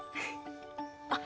あっ！